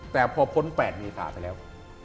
แต่พอพ้น๘เมษาไปแล้ว